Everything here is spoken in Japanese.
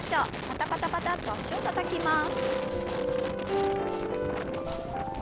パタパタパタッと脚をたたきます。